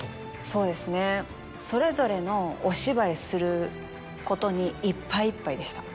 そうですねそれぞれのお芝居することにいっぱいいっぱいでした。